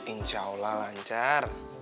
insya allah lancar